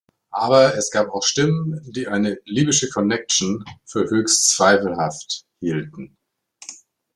Aber es gab auch Stimmen, die eine „libysche Connection“ für höchst zweifelhaft hielten.